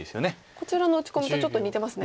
こちらの打ち込みとちょっと似てますね。